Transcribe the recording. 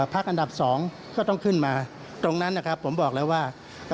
ภักดิ์อันดับ๒ก็ต้องขึ้นมาตรงนั้นผมบอกแล้วว่า